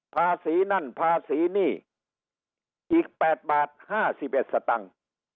ภาษีนั่นภาษีนี่อีกแปดบาทห้าสิบเอ็ดสตังค์